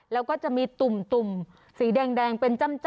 แล้วก็จะมีตุ่มสีแดงเป็นจ้ำ